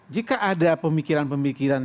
jika ada pemikiran pemikiran